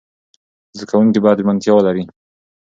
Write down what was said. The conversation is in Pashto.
زده کوونکي باید ژمنتیا ولري.